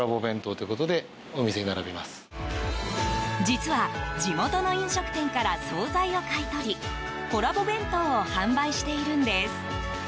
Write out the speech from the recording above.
実は、地元の飲食店から総菜を買い取りコラボ弁当を販売しているんです。